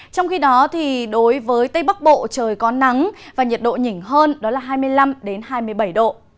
trong khi đó đối với tây bắc bộ trời có nắng và nhiệt độ nhỉnh hơn đó là hai mươi năm hai mươi bảy độ